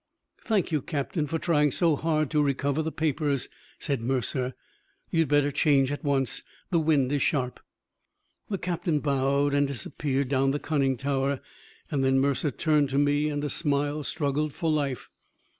"Thank you, Captain, for trying so hard to recover the papers," said Mercer. "You'd better change at once; the wind is sharp." The captain bowed and disappeared down the conning tower. Then Mercer turned to me, and a smile struggled for life.